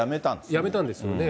辞めたんですよね。